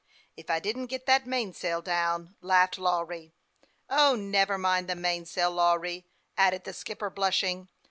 " If I didn't get that mainsail down," laughed Lawry. " O, never mind the mainsail, Lawry," added the skipper, blushing.